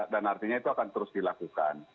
dan artinya itu akan terus dilakukan